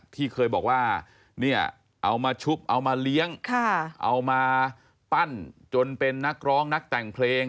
ที่เคยบอกว่าเนี่ยเอามาชุบเอามาเลี้ยงเอามาปั้นจนเป็นนักร้องนักแต่งเพลง